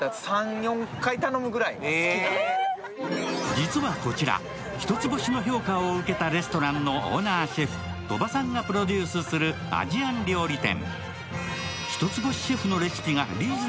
実はこちら、一つ星の評価を受けたレストランのオーナーシェフ鳥羽さんがプロデュースするアジアン料理店。